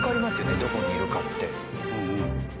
どこにいるかって。